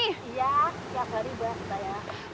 iya setiap hari bersih